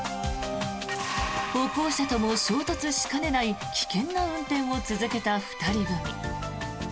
歩行者とも衝突しかねない危険な運転を続けた２人組。